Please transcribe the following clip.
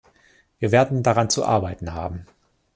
Wir werden daran zu arbeiten haben.